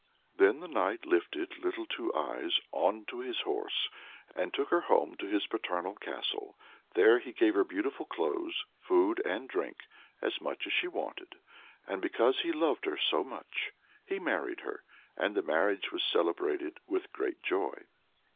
Then the knight lifted Little Two Eyes on to his horse, and took her home to his paternal castle; there he gave her beautiful clothes, food, and drink as much as she wanted, and because he loved her so much he married her, and the marriage was celebrated with great joy.